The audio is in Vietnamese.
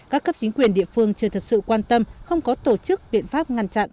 các cấp chính quyền địa phương chưa thật sự quan tâm không có tổ chức biện pháp ngăn chặn